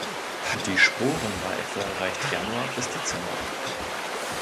Die Sporenreife reicht Januar bis Dezember.